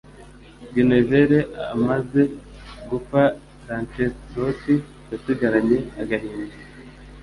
Guinevere amaze gupfa, Lancelot yasigaranye agahinda